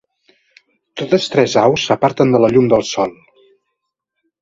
Totes tres aus s'aparten de la llum del sol.